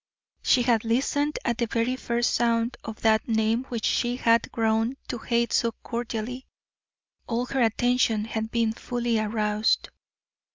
She had listened at the very first sound of that name which she had grown to hate so cordially; all her attention had been fully aroused.